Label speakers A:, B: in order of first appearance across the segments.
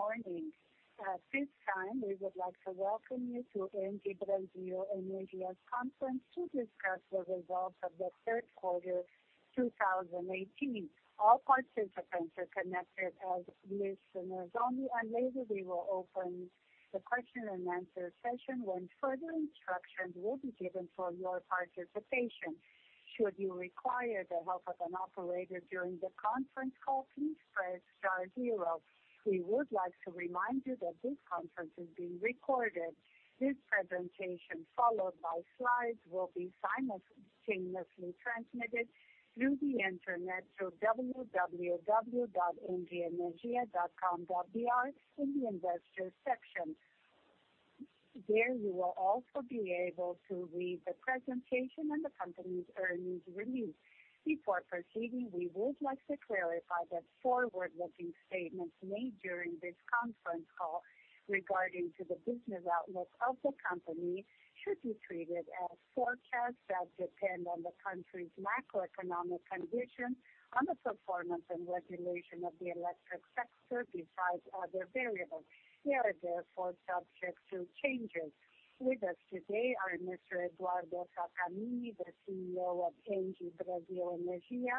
A: Good morning. At this time, we would like to welcome you to ENGIE Brasil Energia's conference to discuss the results of the third quarter 2018. All participants are connected as listeners only, and later we will open the question and answer session when further instructions will be given for your participation. Should you require the help of an operator during the conference call, please press star zero. We would like to remind you that this conference is being recorded. This presentation, followed by slides, will be simultaneously transmitted through the internet to www.engieenergia.com.br in the investor section. There you will also be able to read the presentation and the company's earnings release. Before proceeding, we would like to clarify that forward-looking statements made during this conference call regarding the business outlook of the company should be treated as forecasts that depend on the country's macroeconomic condition, on the performance and regulation of the electric sector, besides other variables. They are therefore subject to changes. With us today are Mr. Eduardo Sattamini, the CEO of ENGIE Brasil Energia,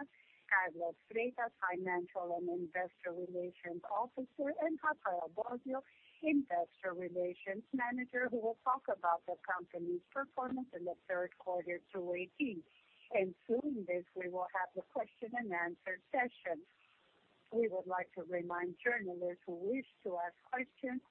A: Carlos Freitas, Financial and Investor Relations Officer, and Rafael Bósio, Investor Relations Manager, who will talk about the company's performance in the third quarter 2018. Soon this we will have the question and answer session. We would like to remind journalists who wish to ask questions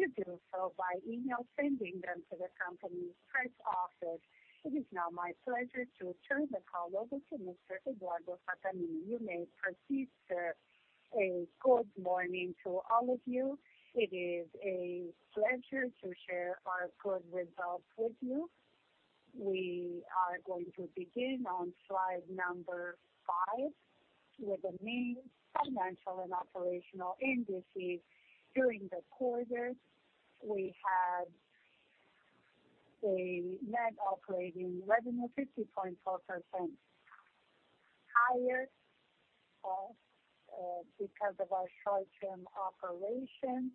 A: to do so by email, sending them to the company's press office. It is now my pleasure to turn the call over to Mr. Eduardo Sattamini. You may proceed, sir. A good morning to all of you. It is a pleasure to share our good results with you. We are going to begin on slide number five with the main financial and operational indices. During the quarter, we had a net operating revenue 50.4% higher because of our short-term operation.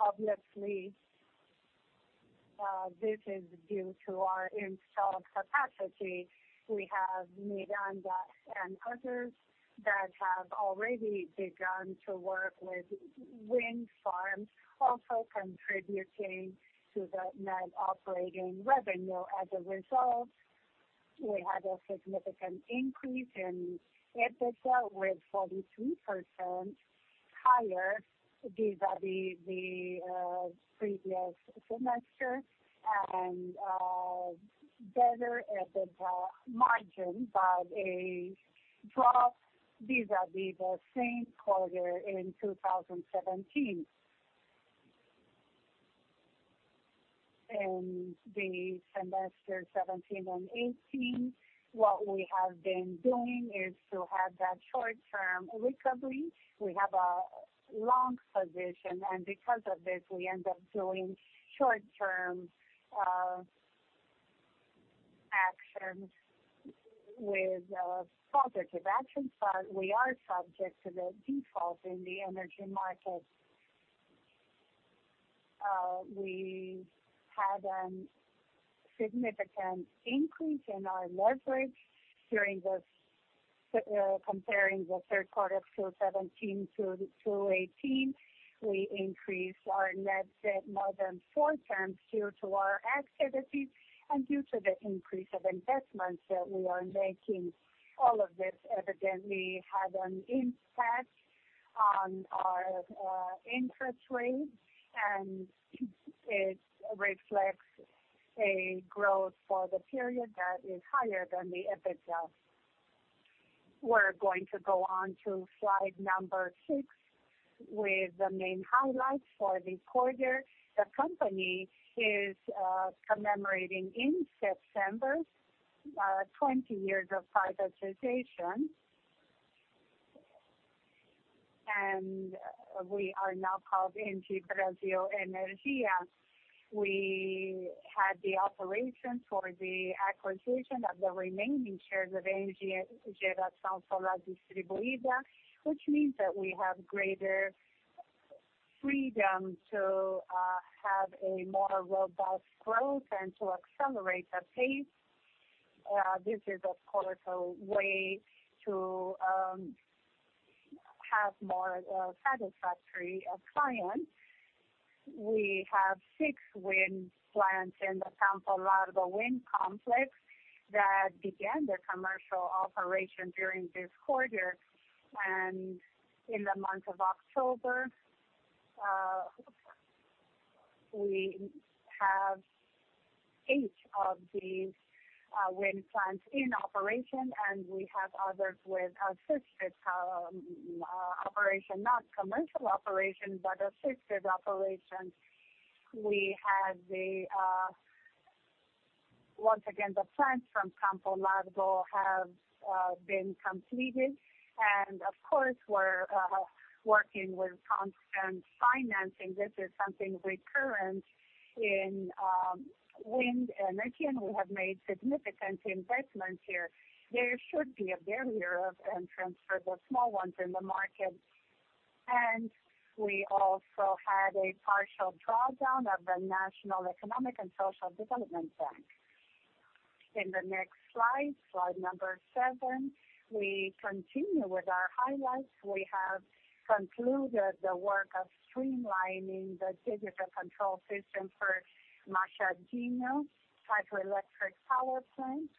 A: Obviously, this is due to our installed capacity. We have Miranda and others that have already begun to work with wind farms, also contributing to the net operating revenue. As a result, we had a significant increase in EBITDA with 43% higher vis-à-vis the previous semester and better EBITDA margin by a drop vis-à-vis the same quarter in 2017. In the semester 2017 and 2018, what we have been doing is to have that short-term recovery. We have a long position, and because of this, we end up doing short-term actions with positive actions, but we are subject to the default in the energy market. We had a significant increase in our leverage during the comparing the third quarter of 2017-2018. We increased our net debt more than four times due to our activities and due to the increase of investments that we are making. All of this, evidently, had an impact on our interest rate, and it reflects a growth for the period that is higher than the EBITDA. We are going to go on to slide number six with the main highlights for the quarter. The company is commemorating in September 20 years of privatization, and we are now called ENGIE Brasil Energia. We had the operations for the acquisition of the remaining shares of ENGIE Geração Solar Distribuída, which means that we have greater freedom to have a more robust growth and to accelerate the pace. This is, of course, a way to have more satisfactory clients. We have six wind plants in the Campo Largo wind complex that began their commercial operation during this quarter. In the month of October, we have eight of these wind plants in operation, and we have others with assisted operation, not commercial operation, but assisted operation. The plants from Campo Largo have been completed, and of course, we're working with constant financing. This is something recurrent in wind energy, and we have made significant investments here. There should be a barrier of entrance for the small ones in the market. We also had a partial drawdown of the National Economic and Social Development Bank. In the next slide, slide number seven, we continue with our highlights. We have concluded the work of streamlining the digital control system for Machadinho Hydroelectric Power Plant.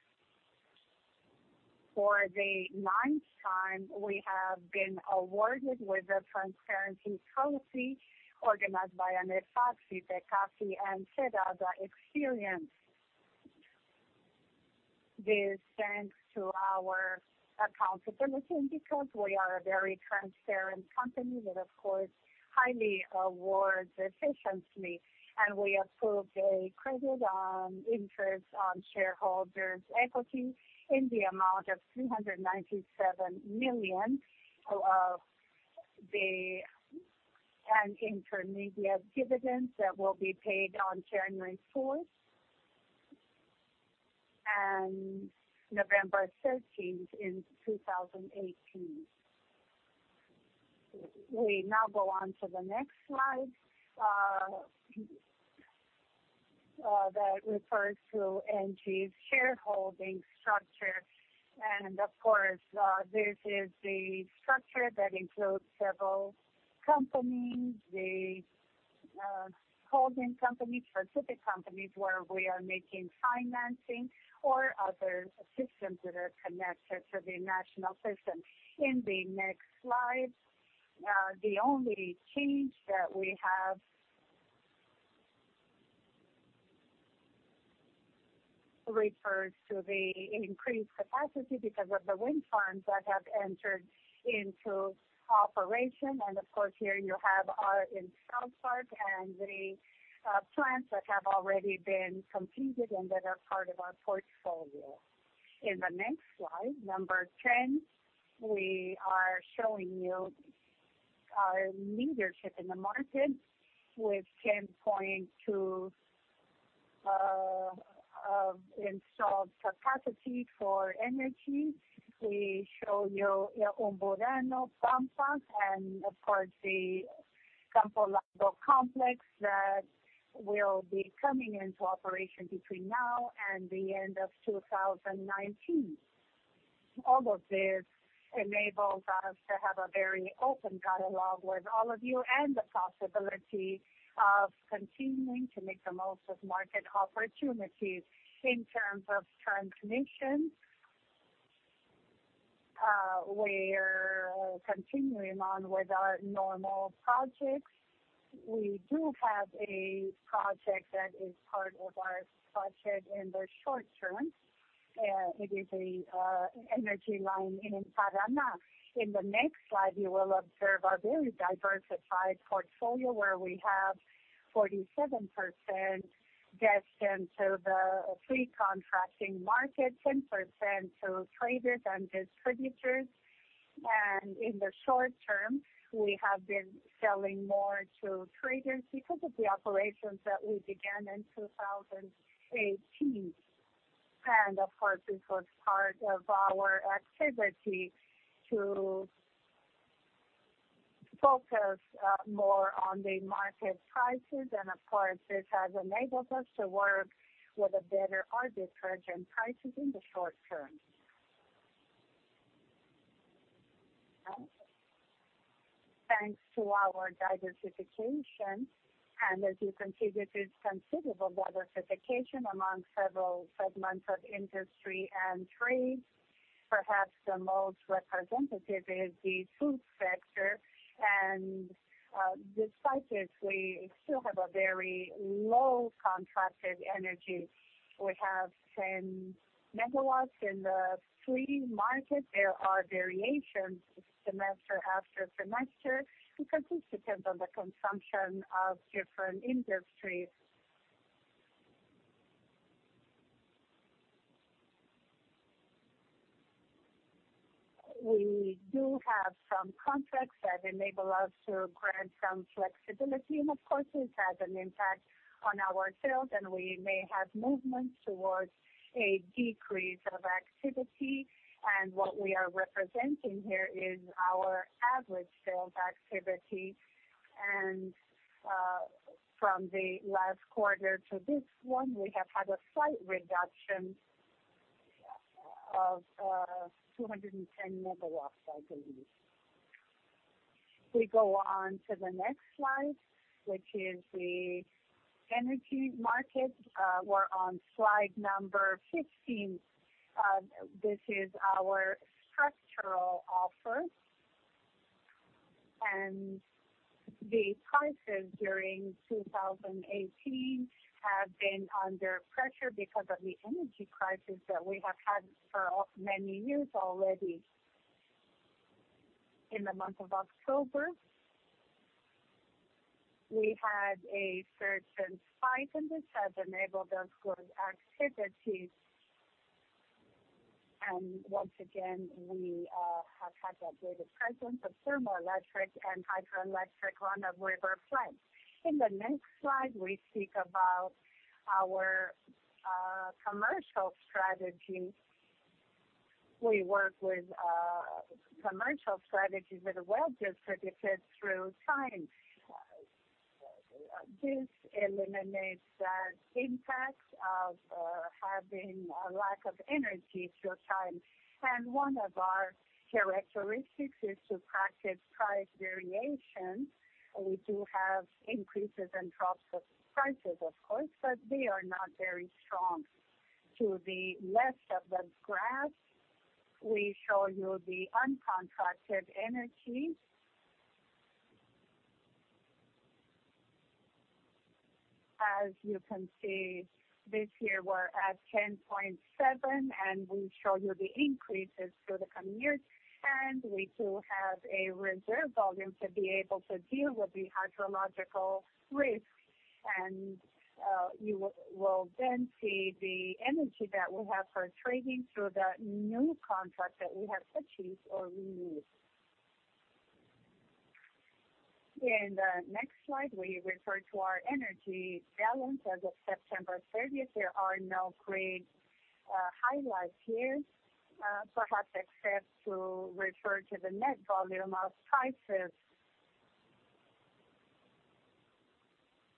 A: For the ninth time, we have been awarded with a transparency trophy organized by an Ifacci, Pecassi, and Serrada experience. This thanks to our accountability indicators. We are a very transparent company that, of course, highly awards efficiently, and we approved a credit on interest on shareholders' equity in the amount of 397 million of the intermediate dividends that will be paid on January 4th and November 13th in 2018. We now go on to the next slide that refers to ENGIE Brasil Energia's shareholding structure, and of course, this is the structure that includes several companies, the holding companies, specific companies where we are making financing or other systems that are connected to the national system. In the next slide, the only change that we have refers to the increased capacity because of the wind farms that have entered into operation. Of course, here you have our installed part and the plants that have already been completed and that are part of our portfolio. In the next slide, number 10, we are showing you our leadership in the market with 10.2 installed capacity for energy. We show you Umburanas, Pampa, and, of course, the Campo Largo complex that will be coming into operation between now and the end of 2019. All of this enables us to have a very open dialogue with all of you and the possibility of continuing to make the most of market opportunities in terms of transmission. We're continuing on with our normal projects. We do have a project that is part of our budget in the short term. It is an energy line in Paraná. In the next slide, you will observe a very diversified portfolio where we have 47% destined to the free contracting market, 10% to traders and distributors. In the short term, we have been selling more to traders because of the operations that we began in 2018. Of course, this was part of our activity to focus more on the market prices, and of course, this has enabled us to work with a better arbitrage and prices in the short term. Thanks to our diversification, and as you can see, this is considerable diversification among several segments of industry and trade. Perhaps the most representative is the food sector, and despite this, we still have a very low contracted energy. We have 10 MW in the free market. There are variations semester after semester because this depends on the consumption of different industries. We do have some contracts that enable us to grant some flexibility, and of course, this has an impact on our sales, and we may have movements towards a decrease of activity. What we are representing here is our average sales activity. From the last quarter to this one, we have had a slight reduction of 210 MW, I believe. We go on to the next slide, which is the energy market. We are on slide number 15. This is our structural offer, and the prices during 2018 have been under pressure because of the energy crisis that we have had for many years already. In the month of October, we had a surge in spike, and this has enabled us of activity. Once again, we have had the greater presence of thermoelectric and hydroelectric on a river plant. In the next slide, we speak about our commercial strategy. We work with commercial strategies that are well distributed through time. This eliminates the impact of having a lack of energy through time. One of our characteristics is to practice price variation. We do have increases and drops of prices, of course, but they are not very strong. To the left of the graph, we show you the uncontracted energy. As you can see, this year we are at 10.7, and we show you the increases through the coming years. We do have a reserve volume to be able to deal with the hydrological risk. You will then see the energy that we have for trading through that new contract that we have achieved or renewed. In the next slide, we refer to our energy balance as of September 30th. There are no great highlights here, perhaps except to refer to the net volume of prices.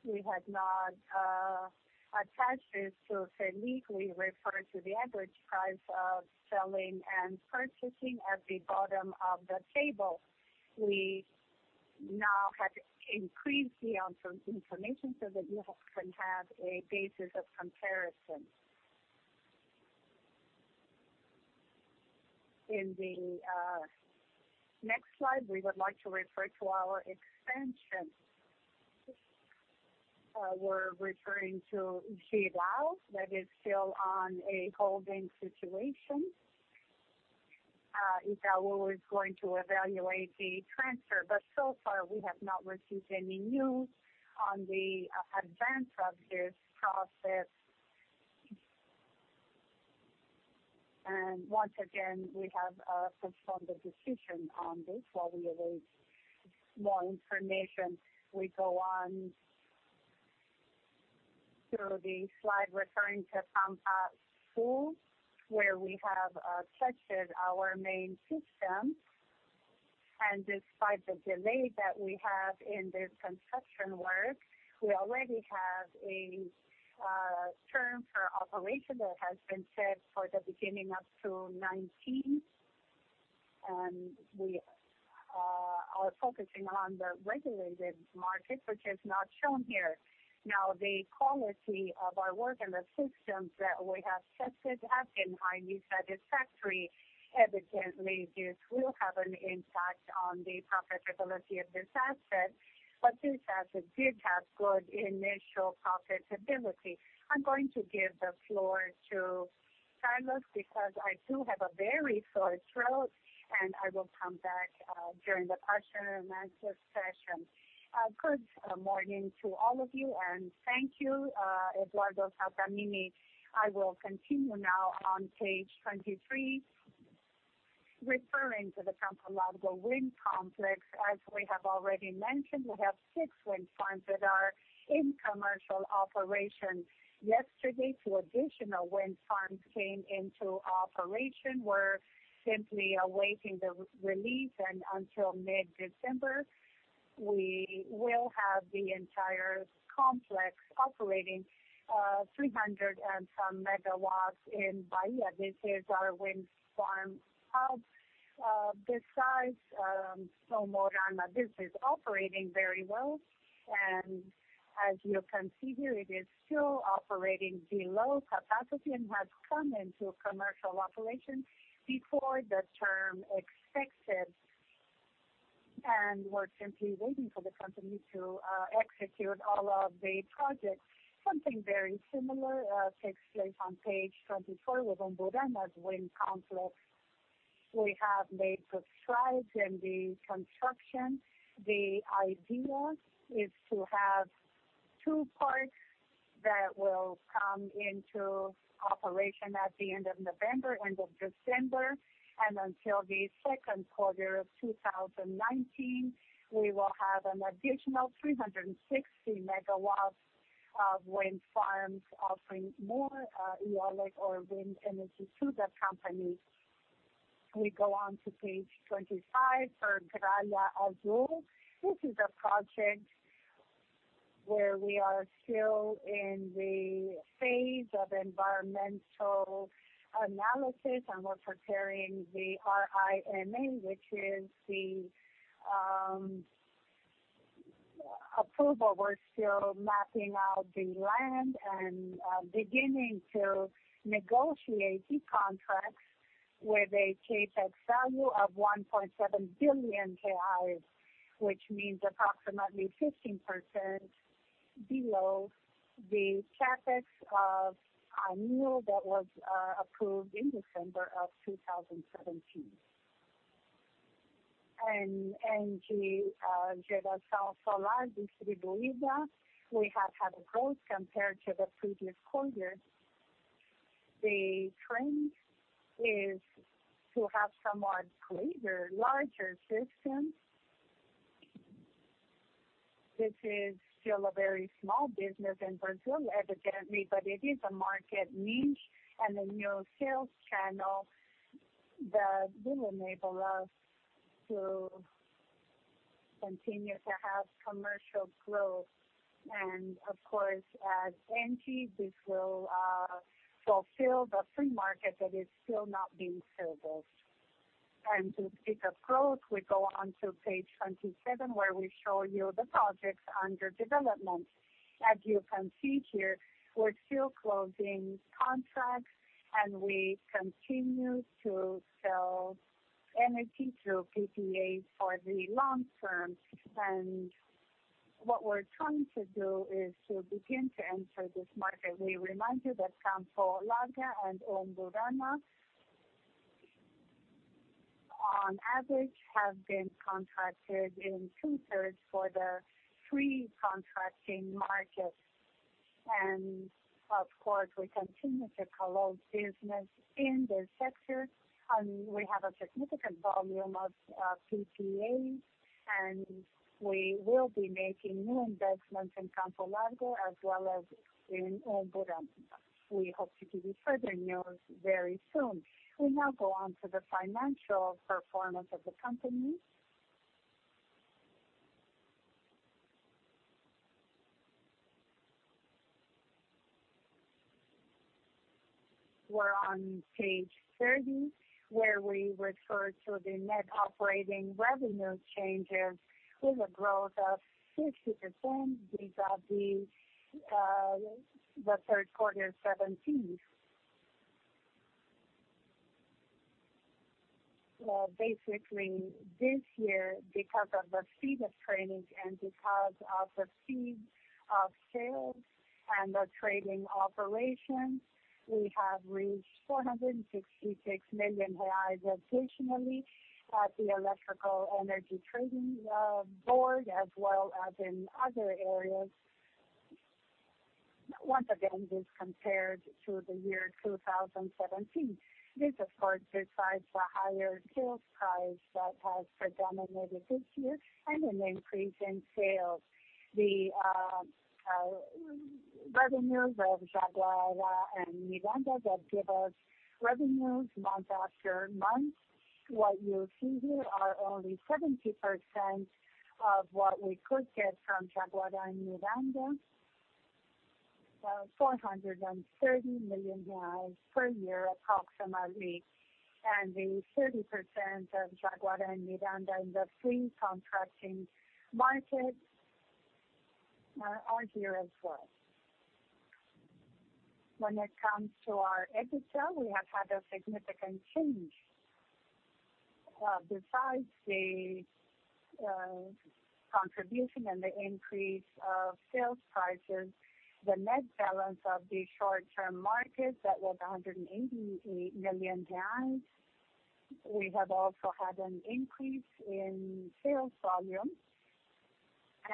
A: We have not attached this to say, "League," we refer to the average price of selling and purchasing at the bottom of the table. We now have increased the amount of information so that you can have a basis of comparison. In the next slide, we would like to refer to our extension. We're referring to GDAO that is still on a holding situation. If that was going to evaluate the transfer, but so far we have not received any news on the advance of this process. Once again, we have a postponed decision on this. While we await more information, we go on to the slide referring to Pampa Sul, where we have tested our main system. Despite the delay that we have in this construction work, we already have a term for operation that has been set for the beginning of 2019. We are focusing on the regulated market, which is not shown here. Now, the quality of our work and the systems that we have tested have been highly satisfactory. Evidently, this will have an impact on the profitability of this asset, but this asset did have good initial profitability. I'm going to give the floor to Carlos because I do have a very sore throat, and I will come back during the question and answer session. Good morning to all of you, and thank you. Eduardo Sattamini, I will continue now on page 23, referring to the Campo Largo Wind Complex. As we have already mentioned, we have six wind farms that are in commercial operation. Yesterday, two additional wind farms came into operation. We're simply awaiting the release, and until mid-December, we will have the entire complex operating 300 and some megawatts in Bahia. This is our wind farm hub. Besides Umburanas, this is operating very well. As you can see here, it is still operating below capacity and has come into commercial operation before the term expected. We're simply waiting for the company to execute all of the projects. Something very similar takes place on page 24 with Umbaranas' Wind Complex. We have made the strides in the construction. The idea is to have two parts that will come into operation at the end of November, end of December. Until the second quarter of 2019, we will have an additional 360 MW of wind farms offering more eolics or wind energy to the company. We go on to page 25 for Gralha Azul. This is a project where we are still in the phase of environmental analysis, and we're preparing the RIMA, which is the approval. We're still mapping out the land and beginning to negotiate the contracts with a CapEx value of 1.7 billion reais, which means approximately 15% below the CapEx of annual that was approved in December of 2017. At ENGIE Geração Solar Distribuída, we have had a growth compared to the previous quarter. The trend is to have somewhat greater, larger systems. This is still a very small business in Brazil, evidently, but it is a market niche and a new sales channel that will enable us to continue to have commercial growth. Of course, as ENGIE, this will fulfill the free market that is still not being serviced. To speak of growth, we go on to page 27, where we show you the projects under development. As you can see here, we're still closing contracts, and we continue to sell energy through PPA for the long term. What we're trying to do is to begin to enter this market. We remind you that Campo Largo and Umburanas, on average, have been contracted in two-thirds for the free contracting market. Of course, we continue to close business in this sector, and we have a significant volume of PPA, and we will be making new investments in Campo Largo as well as in Umburanas. We hope to give you further news very soon. We now go on to the financial performance of the company. We're on page 30, where we refer to the net operating revenue changes with a growth of 50%. These are the third quarter of 2017. Basically, this year, because of the speed of training and because of the speed of sales and the trading operations, we have reached 466 million reais additionally at the Electrical Energy Trading Board as well as in other areas. Once again, this compared to the year 2017. This, of course, besides the higher sales price that has predominated this year and an increase in sales. The revenues of Jaguara and Miranda that give us revenues month after month, what you see here are only 70% of what we could get from Jaguara and Miranda, BRL 430 million per year approximately. The 30% of Jaguara and Miranda in the free contracting market are here as well. When it comes to our EBITDA, we have had a significant change. Besides the contribution and the increase of sales prices, the net balance of the short-term market that was BRL 188 million, we have also had an increase in sales volume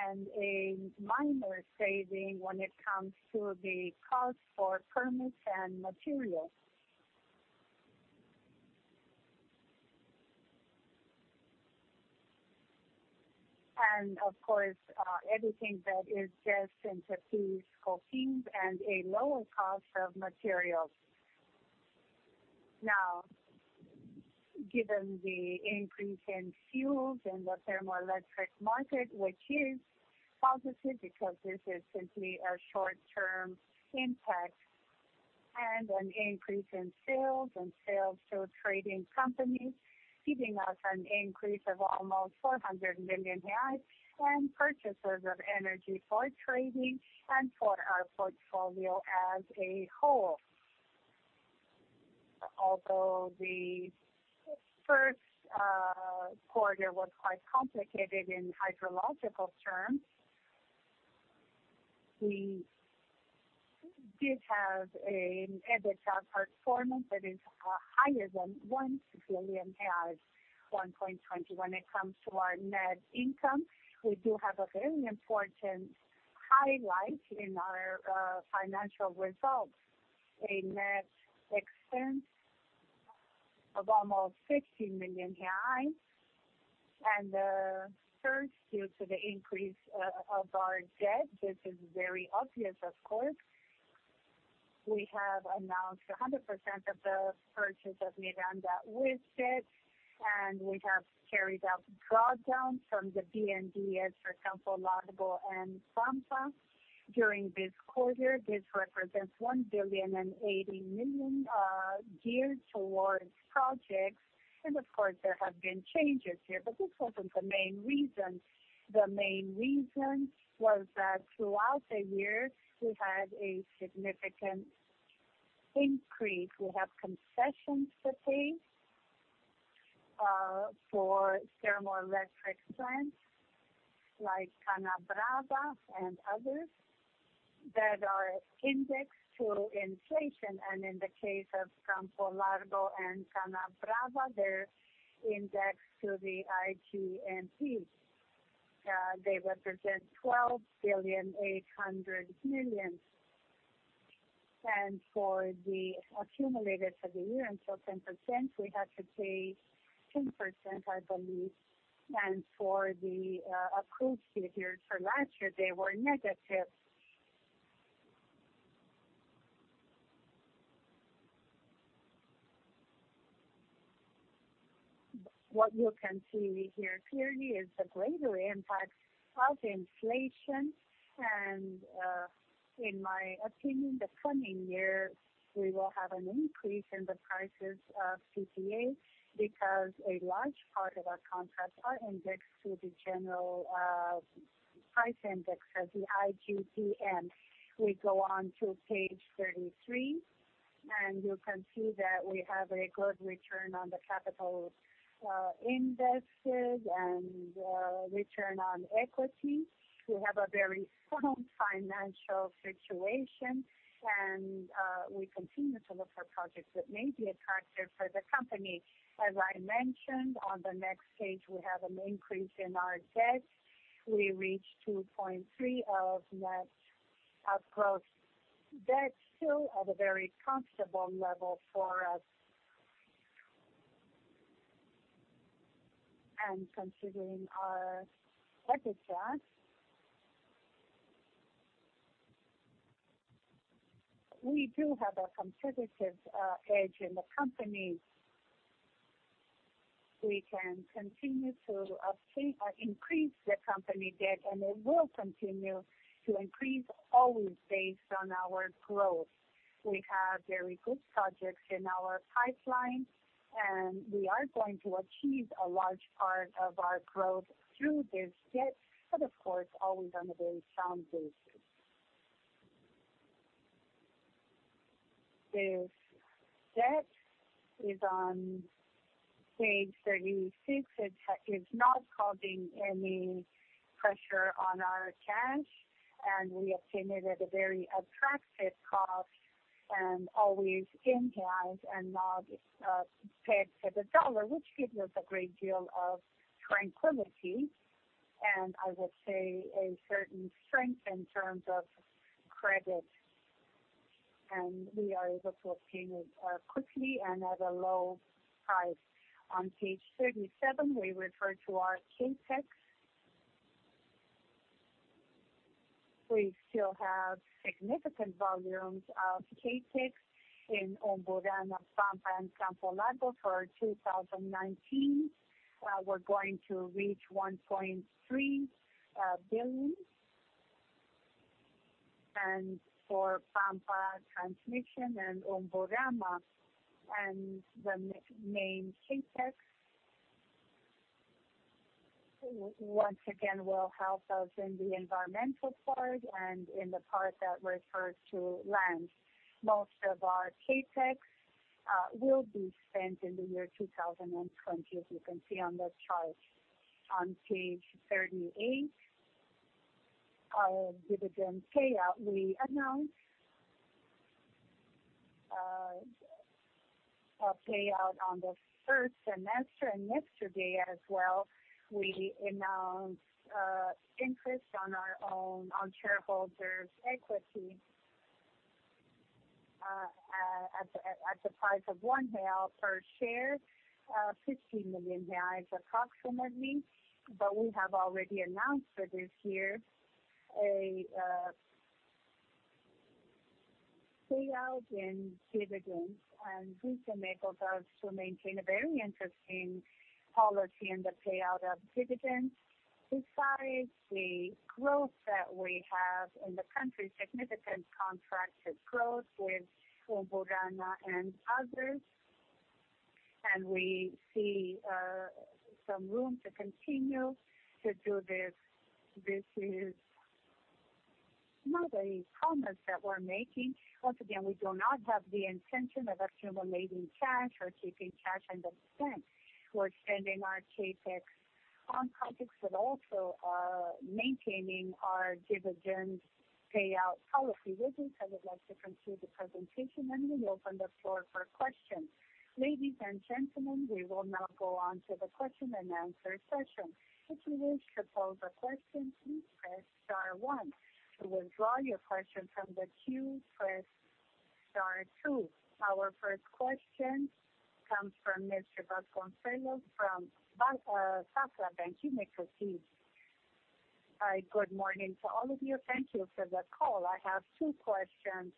A: and a minor saving when it comes to the cost for permits and material. Of course, everything that is just into piece cocaine and a lower cost of materials. Now, given the increase in fuels in the thermoelectric market, which is positive because this is simply a short-term impact and an increase in sales and sales to trading companies, giving us an increase of almost 400 million reais and purchases of energy for trading and for our portfolio as a whole. Although the first quarter was quite complicated in hydrological terms, we did have an EBITDA performance that is higher than 1 billion, 1.20. When it comes to our net income, we do have a very important highlight in our financial results, a net expense of almost BRL 15 million. First, due to the increase of our debt, this is very obvious, of course. We have announced 100% of the purchase of Miranda with debt, and we have carried out drawdowns from the BNDES for Campo Largo and Pampa during this quarter. This represents 1,080,000,000 geared towards projects. Of course, there have been changes here, but this was not the main reason. The main reason was that throughout the year, we had a significant increase. We have concessions to pay for thermoelectric plants like Cana Brava and others that are indexed to inflation. In the case of Campo Largo and Cana Brava, they are indexed to the IGP-M. They represent 12,800,000,000. For the accumulated for the year until 10%, we had to pay 10%, I believe. For the approved figures for last year, they were negative. What you can see here clearly is the greater impact of inflation. In my opinion, the coming year, we will have an increase in the prices of PPA because a large part of our contracts are indexed to the general price index of the IGP-M. We go on to page 33, and you can see that we have a good return on the capital indexes and return on equity. We have a very strong financial situation, and we continue to look for projects that may be attractive for the company. As I mentioned, on the next page, we have an increase in our debt. We reached 2.3 of net upgross debt still at a very comfortable level for us. Considering our EBITDA, we do have a competitive edge in the company. We can continue to increase the company debt, and it will continue to increase always based on our growth. We have very good projects in our pipeline, and we are going to achieve a large part of our growth through this debt, of course, always on a very sound basis. This debt is on page 36. It is not causing any pressure on our cash, and we obtain it at a very attractive cost and always in hand and not pegged to the dollar, which gives us a great deal of tranquility. I would say a certain strength in terms of credit. We are able to obtain it quickly and at a low price. On page 37, we refer to our CapEx. We still have significant volumes of CapEx in Umburanas, Pampa, and Campo Largo for 2019. We're going to reach 1.3 billion. For Pampa transmission and Umburanas, and the main CapEx, once again, will help us in the environmental part and in the part that refers to land. Most of our CapEx will be spent in the year 2020, as you can see on the chart. On page 38, our dividend payout, we announced a payout on the first semester, and yesterday as well, we announced interest on our own on shareholders' equity at the price of one half per share, 15 million approximately. We have already announced for this year a payout in dividends, and this enables us to maintain a very interesting policy in the payout of dividends besides the growth that we have in the country, significant contractor growth with Umburanas and others. We see some room to continue to do this. This is not a promise that we're making. Once again, we do not have the intention of accumulating cash or keeping cash under the bank. We're spending our CapEx on projects, but also maintaining our dividend payout policy. With this, I would like to conclude the presentation, and we open the floor for questions. Ladies and gentlemen, we will now go on to the question and answer session. If you wish to pose a question, please press star one. To withdraw your question from the queue, press star two. Our first question comes from Mr. Vasconcelos from Safran. Thank you. May proceed. All right. Good morning to all of you. Thank you for the call. I have two questions.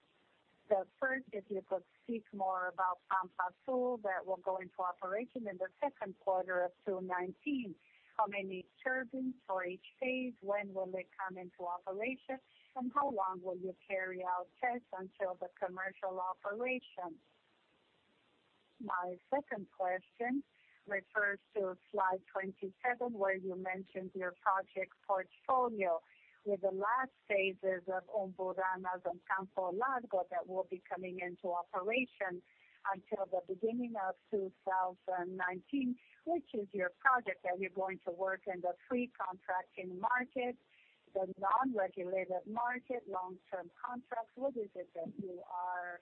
A: The first, if you could speak more about Pampa's tools that will go into operation in the second quarter of 2019. How many turbines for each phase? When will they come into operation? How long will you carry out tests until the commercial operation? My second question refers to slide 27, where you mentioned your project portfolio with the last phases of Umburanas and Campo Largo that will be coming into operation until the beginning of 2019. Which is your project? Are you going to work in the free contracting market, the non-regulated market, long-term contracts? What is it that you are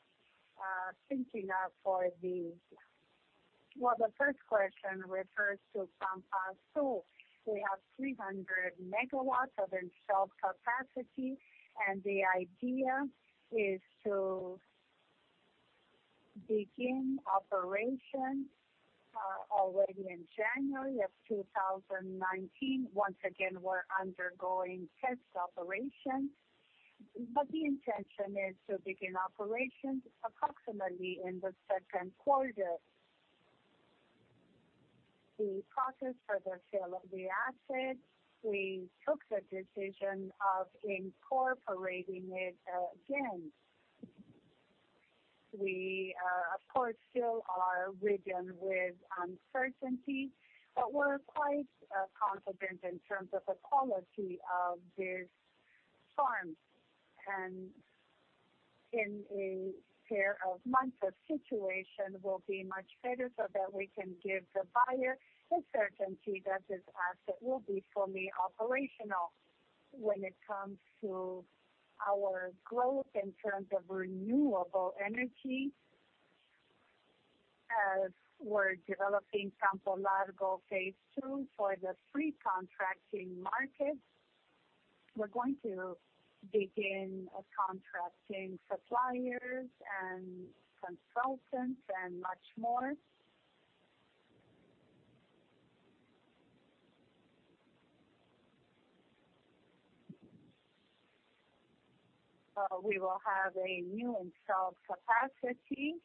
A: thinking of for these? The first question refers to Pampa's tools. We have 300 MW of installed capacity, and the idea is to begin operation already in January of 2019. Once again, we're undergoing test operation, but the intention is to begin operation approximately in the second quarter. The process for the sale of the assets, we took the decision of incorporating it again. We, of course, still are ridden with uncertainty, but we're quite confident in terms of the quality of this farm. In a pair of months, the situation will be much better so that we can give the buyer the certainty that this asset will be fully operational. When it comes to our growth in terms of renewable energy, as we're developing Campo Largo phase two for the free contracting market, we're going to begin contracting suppliers and consultants and much more. We will have a new installed capacity,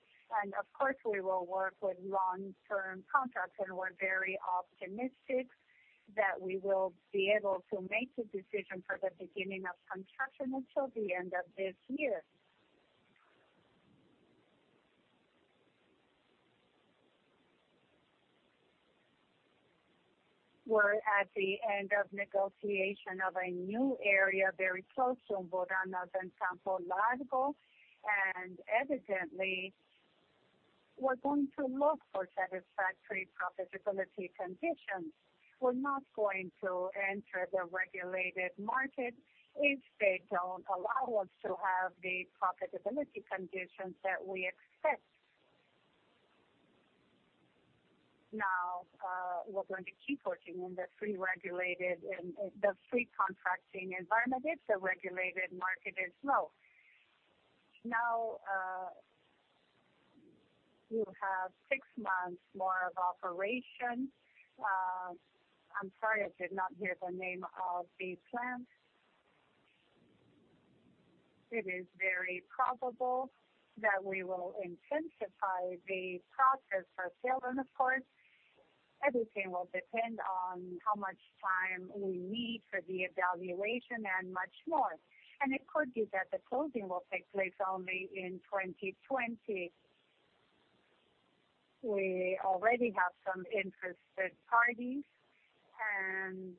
A: and of course, we will work with long-term contracts. We are very optimistic that we will be able to make the decision for the beginning of construction until the end of this year. We are at the end of negotiation of a new area very close to Umburanas and Campo Largo, and evidently, we are going to look for satisfactory profitability conditions. We are not going to enter the regulated market if they do not allow us to have the profitability conditions that we expect. Now, we are going to keep working in the free regulated and the free contracting environment if the regulated market is low. Now, you have six months more of operation. I am sorry, I did not hear the name of the plant. It is very probable that we will intensify the process for sale, and of course, everything will depend on how much time we need for the evaluation and much more. It could be that the closing will take place only in 2020. We already have some interested parties, and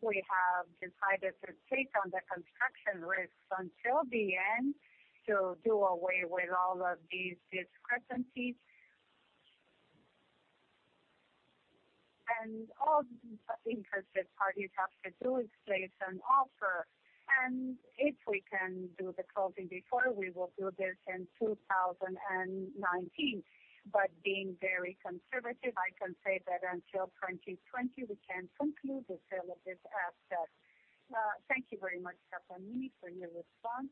A: we have decided to take on the construction risks until the end to do away with all of these discrepancies. All interested parties have to do is place an offer. If we can do the closing before, we will do this in 2019. Being very conservative, I can say that until 2020, we can conclude the sale of this asset. Thank you very much, Sattamini, for your response.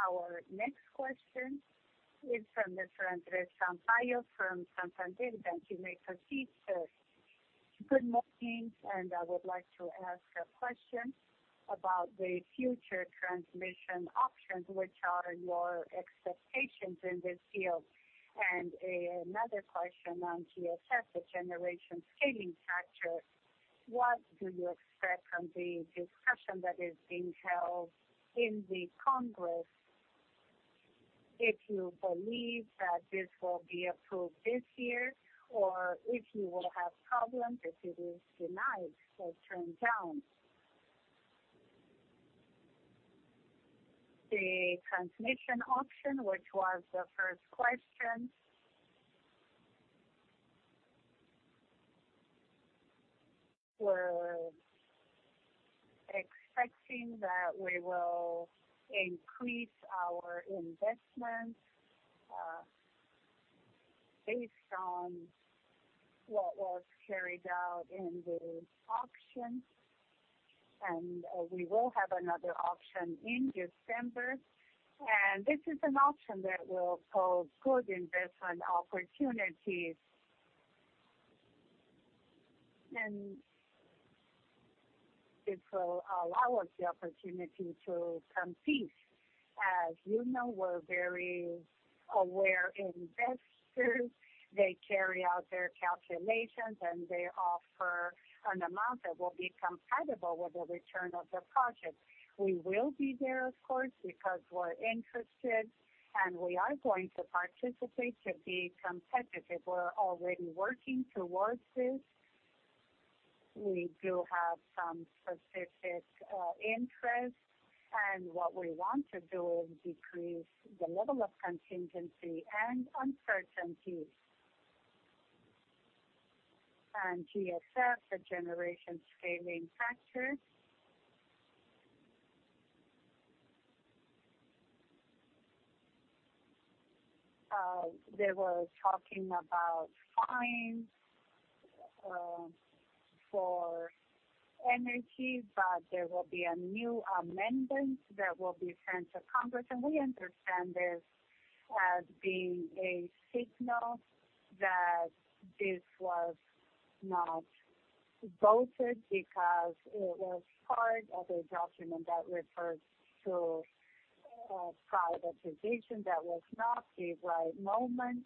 A: Our next question is from Andre Sampaio from Santander. Thank you. May proceed, sir. Good morning, and I would like to ask a question about the future transmission options, which are your expectations in this field. Another question on GSF, the generation scaling factor. What do you expect from the discussion that is being held in the Congress? If you believe that this will be approved this year, or if you will have problems if it is denied or turned down. The transmission option, which was the first question, we're expecting that we will increase our investment based on what was carried out in the auction. We will have another auction in December. This is an auction that will pose good investment opportunities. It will allow us the opportunity to compete. As you know, we're very aware investors. They carry out their calculations, and they offer an amount that will be compatible with the return of the project. We will be there, of course, because we're interested, and we are going to participate to be competitive. We're already working towards this. We do have some specific interests, and what we want to do is decrease the level of contingency and uncertainty. GSF, the generation scaling factor. They were talking about fines for energy, but there will be a new amendment that will be sent to Congress. We understand this as being a signal that this was not voted because it was part of a document that refers to privatization that was not the right moment.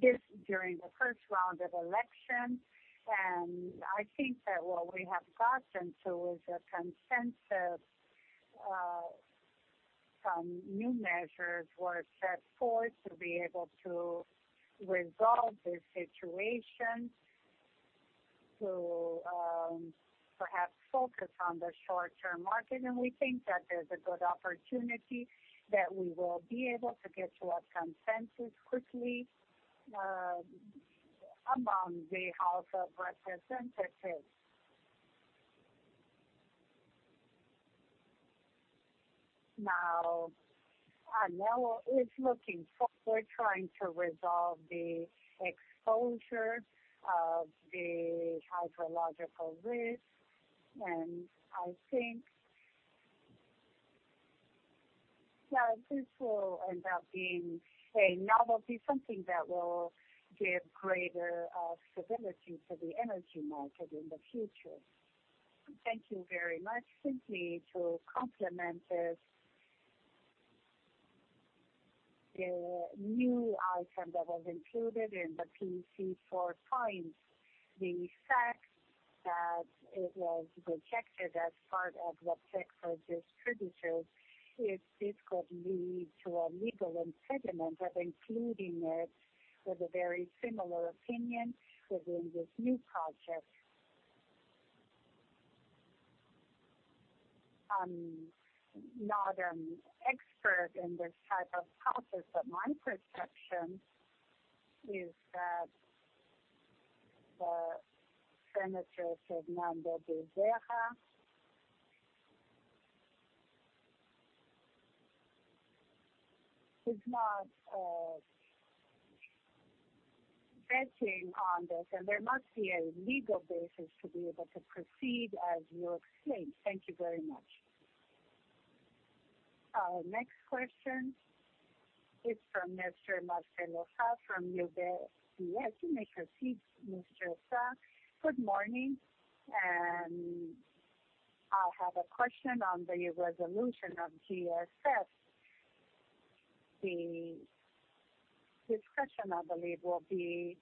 A: This was during the first round of elections, and I think that what we have gotten to is a consensus from new measures were set forth to be able to resolve this situation, to perhaps focus on the short-term market. We think that there's a good opportunity that we will be able to get to a consensus quickly among the House of Representatives. Now, Aniello is looking. We're trying to resolve the exposure of the hydrological risk, and I think that this will end up being a novelty, something that will give greater stability to the energy market in the future. Thank you very much. Simply to complement this, the new item that was included in the PC for fines, the fact that it was rejected as part of the tech for distributors, if this could lead to a legal impediment of including it with a very similar opinion within this new project. I'm not an expert in this type of process, but my perception is that Senator Fernando Gabeira is not betting on this, and there must be a legal basis to be able to proceed, as you explained. Thank you very much. Our next question is from Mr. Marcelo Sá from UBS. You may proceed, Mr. Satt. Good morning. I have a question on the resolution of GSF. The discussion, I believe, will be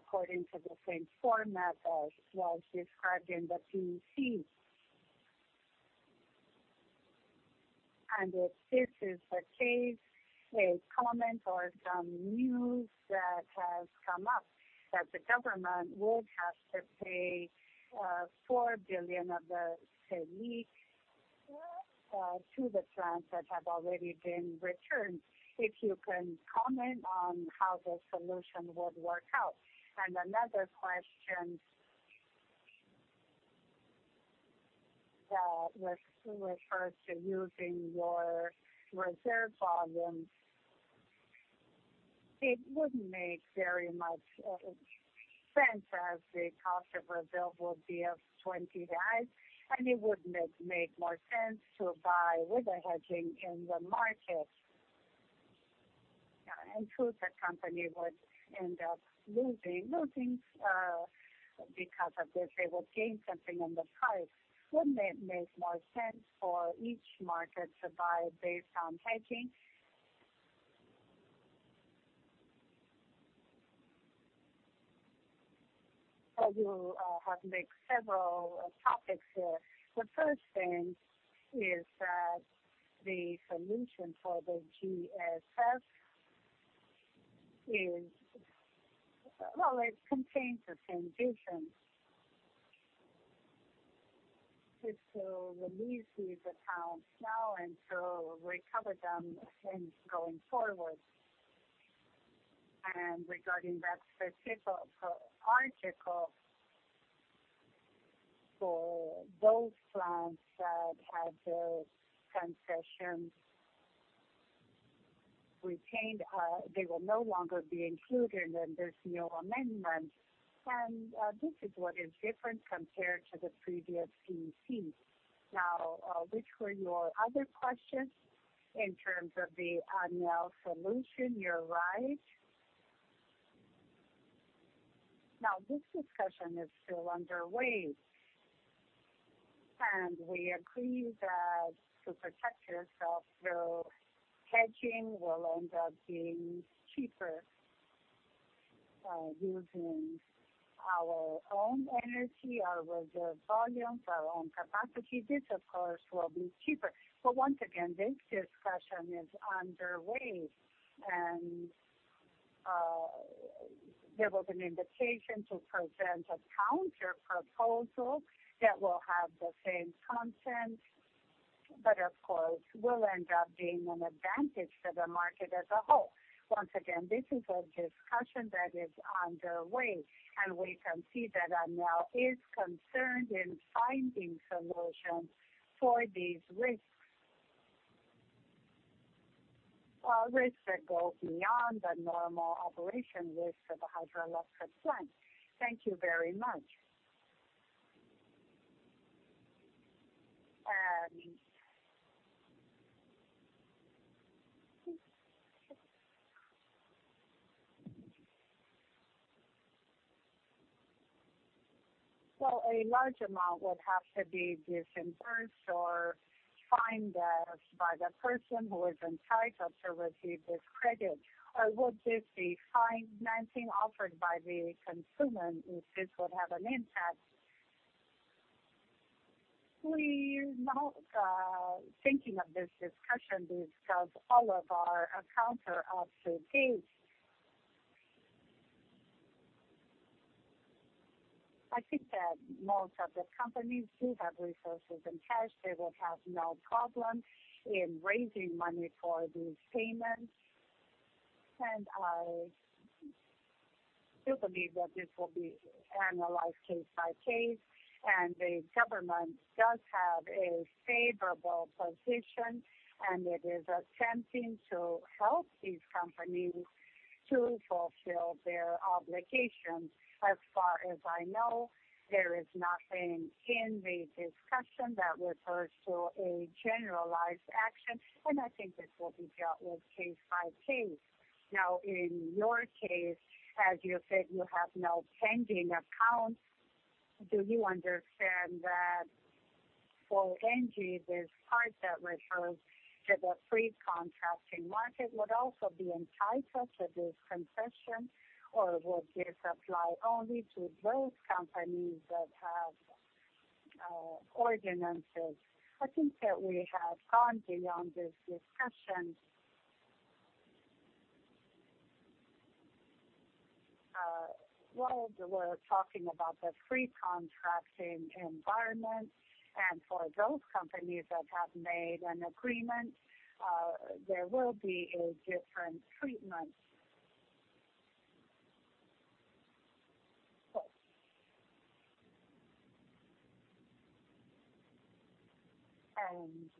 A: according to the same format as was described in the PC. If this is the case, a comment or some news has come up that the government would have to pay 4 billion of the SELIC to the plants that have already been returned. If you can, comment on how the solution would work out. Another question that refers to using your reserve volume, it would not make very much sense as the cost of reserve would be of 20 reais, and it would make more sense to buy with a hedging in the market. Who would the company end up losing, losing because of this? They would gain something on the price. Would it not make more sense for each market to buy based on hedging? You have mixed several topics here. The first thing is that the solution for the GSF is, it contains the same reason. It is to release these accounts now and to recover them going forward. Regarding that specific article for those plants that had their concessions retained, they will no longer be included in this new amendment. This is what is different compared to the previous PC. Now, which were your other questions in terms of the Aniello solution? You're right. Now, this discussion is still underway, and we agree that to protect yourself, though, hedging will end up being cheaper. Using our own energy, our reserve volumes, our own capacity, this, of course, will be cheaper. Once again, this discussion is underway, and there was an invitation to present a counterproposal that will have the same content, but of course, will end up being an advantage to the market as a whole. Once again, this is a discussion that is underway, and we can see that Aniello is concerned in finding solutions for these risks, risks that go beyond the normal operation risk of the hydroelectric plant. Thank you very much. A large amount would have to be disbursed or fined by the person who is entitled to receive this credit. Would this be fines offered by the consumer if this would have an impact? We're not thinking of this discussion because all of our accounts are up to date. I think that most of the companies do have resources in cash. They would have no problem in raising money for these payments. I do believe that this will be analyzed case by case, and the government does have a favorable position, and it is attempting to help these companies to fulfill their obligations. As far as I know, there is nothing in the discussion that refers to a generalized action, and I think this will be dealt with case by case. In your case, as you said, you have no pending accounts. Do you understand that for ENGIE, this part that refers to the free contracting market would also be entitled to this concession, or would this apply only to those companies that have ordinances? I think that we have gone beyond this discussion. While we're talking about the free contracting environment, and for those companies that have made an agreement, there will be a different treatment.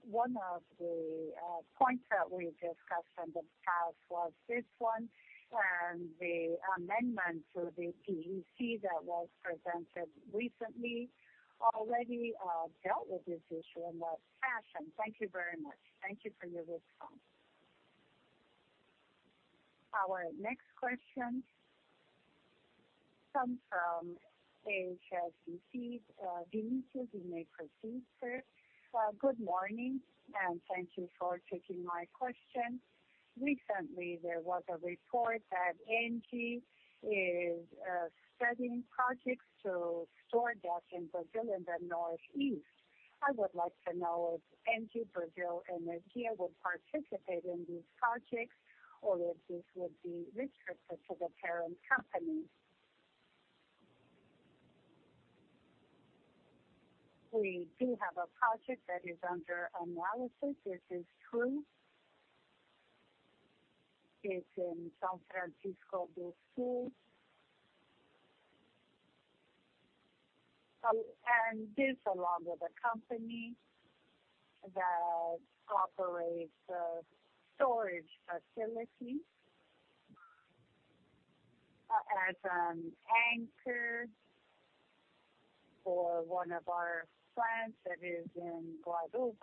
A: One of the points that we discussed in the past was this one, and the amendment to the PEC that was presented recently already dealt with this issue in what fashion. Thank you very much. Thank you for your response. Our next question comes from. May proceed, sir. Good morning, and thank you for taking my question. Recently, there was a report that ENGIE is studying projects to store gas in Brazil in the Northeast. I would like to know if ENGIE Brasil Energia would participate in these projects or if this would be restricted to the parent company. We do have a project that is under analysis. This is true. It is in São Francisco do Sul. This, along with a company that operates a storage facility as an anchor for one of our plants that is in Guadalupe.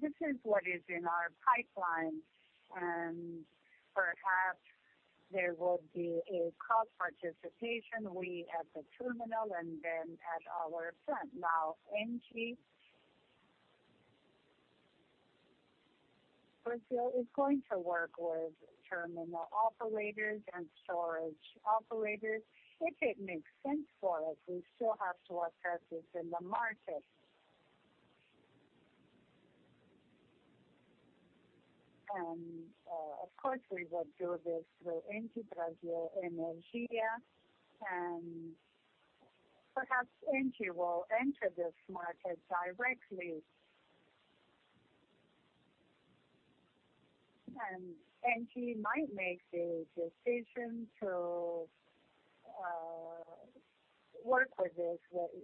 A: This is what is in our pipeline, and perhaps there would be a cross-participation, we at the terminal and them at our plant. Now, ENGIE Brasil is going to work with terminal operators and storage operators. If it makes sense for us, we still have to assess this in the market. Of course, we would do this through ENGIE Brasil Energia, and perhaps ENGIE will enter this market directly. ENGIE might make the decision to work with this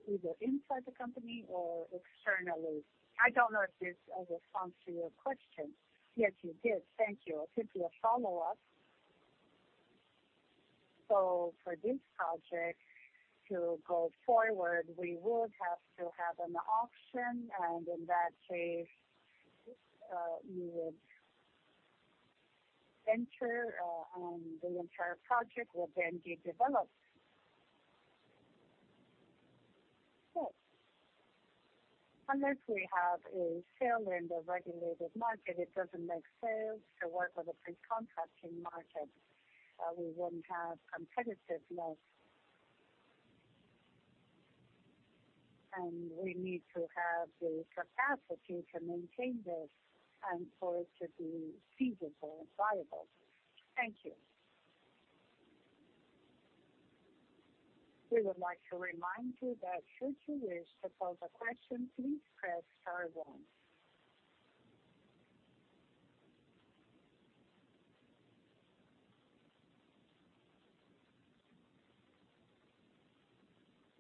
A: either inside the company or externally. I do not know if this is a response to your question. Yes, you did. Thank you. I will give you a follow-up. For this project to go forward, we would have to have an auction, and in that case, you would enter, and the entire project would then be developed. Unless we have a sale in the regulated market, it does not make sense to work with a free contracting market. We would not have competitiveness, and we need to have the capacity to maintain this and for it to be feasible and viable. Thank you. We would like to remind you that should you wish to pose a question, please press star one.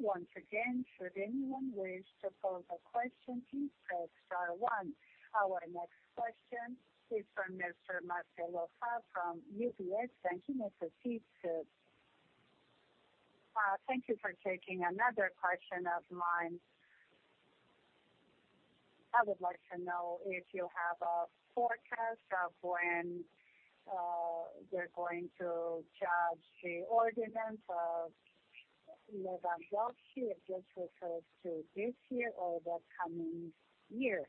A: Once again, should anyone wish to pose a question, please press star one. Our next question is from Mr. Marcelo Sá from UBS. Thank you, Mr. Sá. Thank you for taking another question of mine. I would like to know if you have a forecast of when they're going to judge the ordinance of Lewandowski, if this refers to this year or the coming year.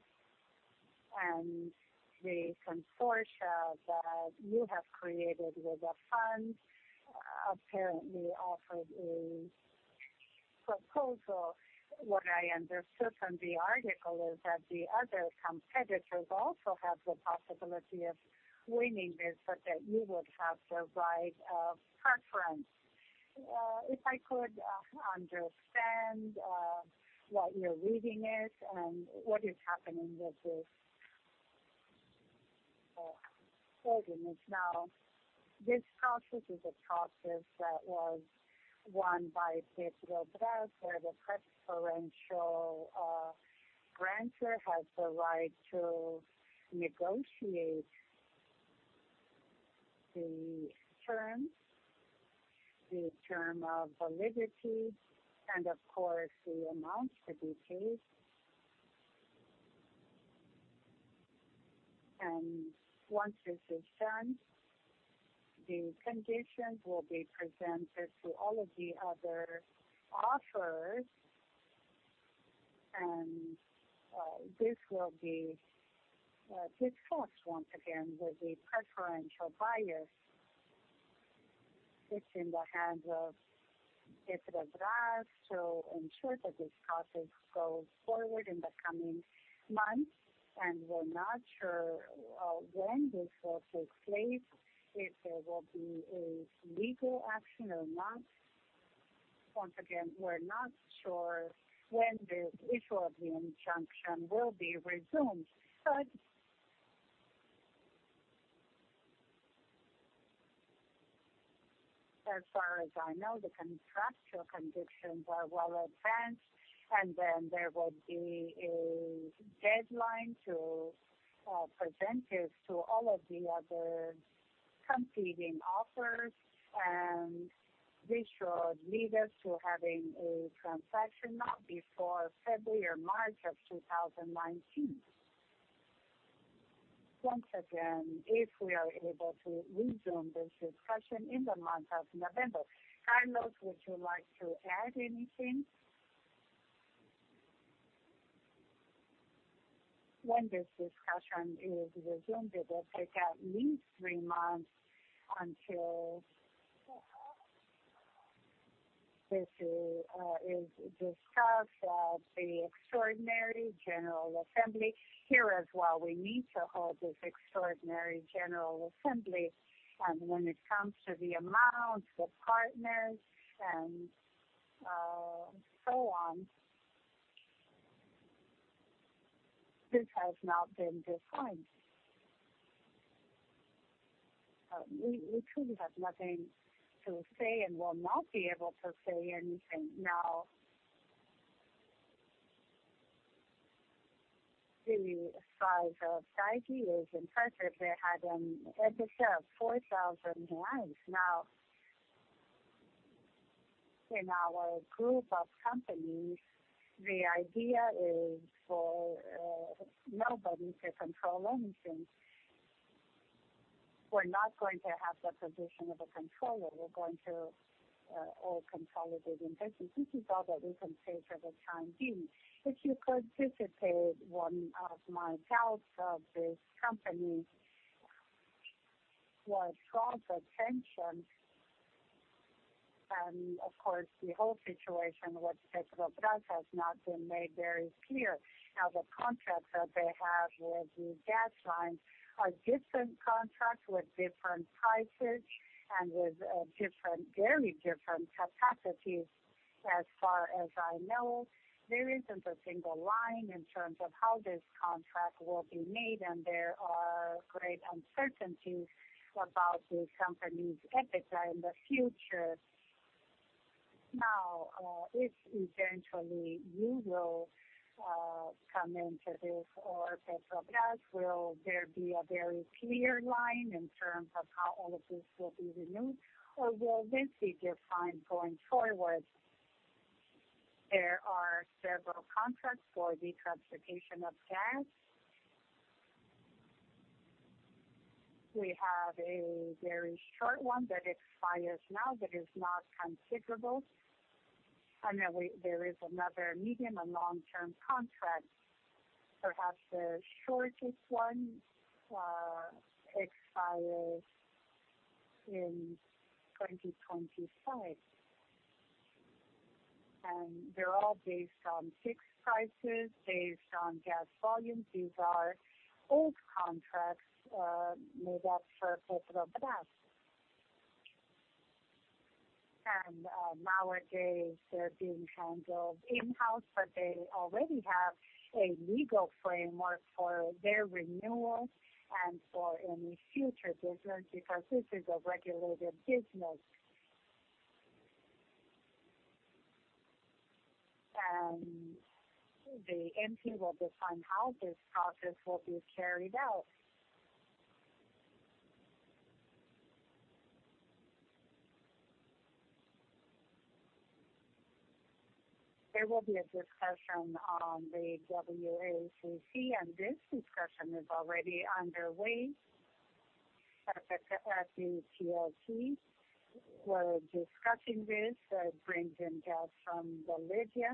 A: The consortia that you have created with the fund apparently offered a proposal. What I understood from the article is that the other competitors also have the possibility of winning this, but that you would have the right of preference. If I could understand what your reading is and what is happening with this ordinance now, this process is a process that was won by Pedro Braz, where the preferential grantor has the right to negotiate the terms, the term of validity, and of course, the amounts to be paid. Once this is done, the conditions will be presented to all of the other offers, and this will be discussed once again with the preferential buyers. It is in the hands of Pedro Braz to ensure that this process goes forward in the coming months, and we are not sure when this will take place, if there will be a legal action or not. Once again, we are not sure when this issue of the injunction will be resumed, but as far as I know, the contractual conditions are well advanced, and then there would be a deadline to present this to all of the other competing offers, and this should lead us to having a transaction now before February or March of 2019. Once again, if we are able to resume this discussion in the month of November, Carlos, would you like to add anything? When this discussion is resumed, it will take at least three months until this is discussed at the extraordinary general assembly. Here is why we need to hold this extraordinary general assembly, and when it comes to the amounts, the partners, and so on, this has not been defined. We truly have nothing to say and will not be able to say anything now. The size of Saudi is impressive. They had an EBITDA of BRL 4,000. Now, in our group of companies, the idea is for nobody to control anything. We're not going to have the position of a controller. We're going to all consolidate investments. This is all that we can say for the time being. If you could dissipate one of my doubts of this company would draw attention, and of course, the whole situation with Pedro Braz has not been made very clear. Now, the contracts that they have with the gas lines are different contracts with different prices and with very different capacities. As far as I know, there is not a single line in terms of how this contract will be made, and there are great uncertainties about the company's EBITDA in the future. Now, if eventually you will come into this or Pedro Braz, will there be a very clear line in terms of how all of this will be renewed, or will this be defined going forward? There are several contracts for the transportation of gas. We have a very short one that expires now that is not considerable. There is another medium and long-term contract. Perhaps the shortest one expires in 2025. They are all based on fixed prices, based on gas volumes. These are old contracts made up for Pedro Braz. Nowadays, they're being handled in-house, but they already have a legal framework for their renewal and for any future business because this is a regulated business. ENGIE will define how this process will be carried out. There will be a discussion on the WACC, and this discussion is already underway. At the GLC, we're discussing this. It brings in gas from Bolivia,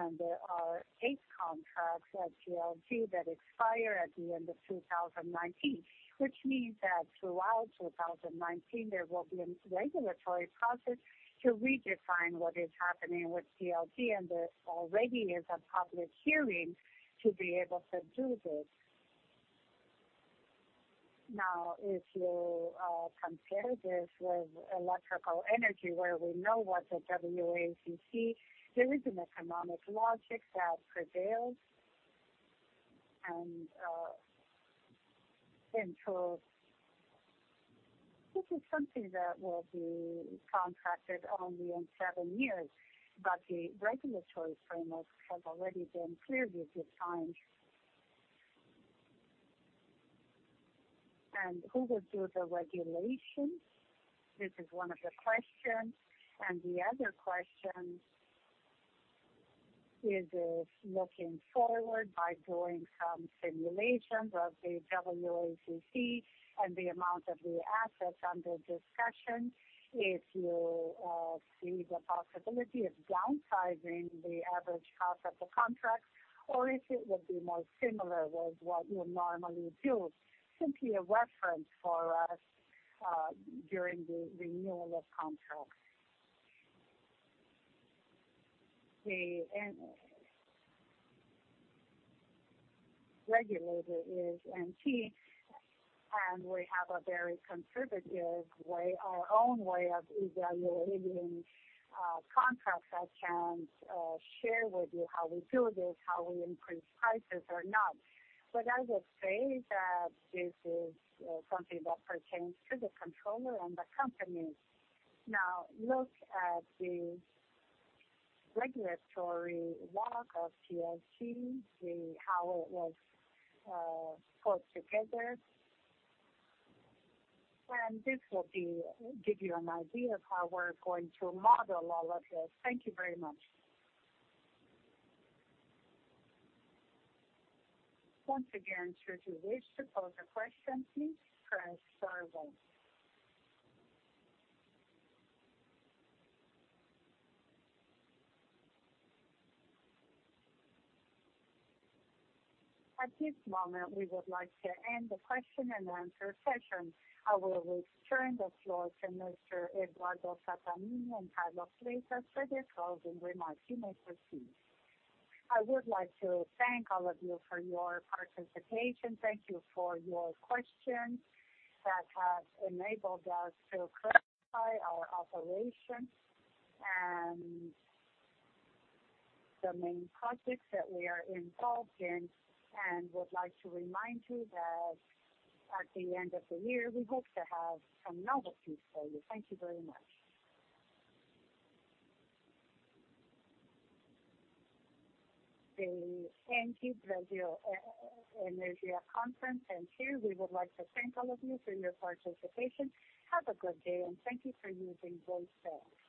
A: and there are eight contracts at GLC that expire at the end of 2019, which means that throughout 2019, there will be a regulatory process to redefine what is happening with GLC, and there already is a public hearing to be able to do this. Now, if you compare this with electrical energy, where we know what the WACC is, there is an economic logic that prevails. This is something that will be contracted only in seven years, but the regulatory framework has already been clearly defined. Who would do the regulation? This is one of the questions. The other question is, looking forward by doing some simulations of the WACC and the amount of the assets under discussion, if you see the possibility of downsizing the average cost of the contract, or if it would be more similar with what you normally do, simply a reference for us during the renewal of contracts. The regulator is ENGIE, and we have a very conservative way, our own way of evaluating contracts. I can't share with you how we do this, how we increase prices or not, but I would say that this is something that pertains to the controller and the company. Now, look at the regulatory log of GLC, how it was put together. This will give you an idea of how we're going to model all of this. Thank you very much. Once again, should you wish to pose a question, please press star one. At this moment, we would like to end the question and answer session. I will return the floor to Mr. Eduardo Sattamini and Carlos Freitas for the closing remarks. You may proceed. I would like to thank all of you for your participation. Thank you for your questions that have enabled us to clarify our operations and the main projects that we are involved in. I would like to remind you that at the end of the year, we hope to have some novelty for you. Thank you very much. The ENGIE Brasil Energia Conference, and here, we would like to thank all of you for your participation. Have a good day, and thank you for using.